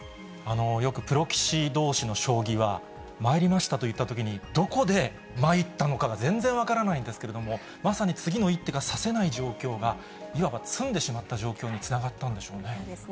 よくプロ棋士どうしの将棋は、まいりましたと言ったときに、どこでまいったのかが全然分からないんですけれども、まさに次の一手が指せない状況が、いわば詰んでしまった状況につながったんでしょうね。